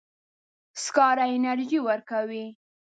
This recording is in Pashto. سکاره انرژي ورکوي.